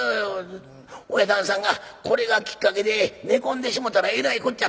親旦さんがこれがきっかけで寝込んでしもたらえらいこっちゃ。